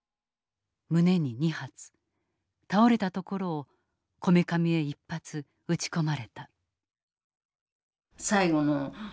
胸に２発倒れたところをこめかみへ１発撃ち込まれた。